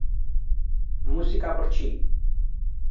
Música por Xy.